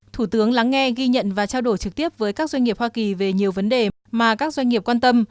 thủ tướng lắng nghe ghi nhận và trao đổi trực tiếp với các doanh nghiệp hoa kỳ về nhiều vấn đề mà các doanh nghiệp quan tâm